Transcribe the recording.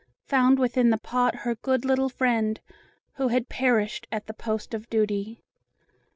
found within the pot her good little friend, who had perished at the post of duty.